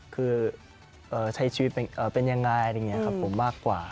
คือใช้ชีวิตเป็นยังไงอะไรอย่างนี้ครับผมมากกว่า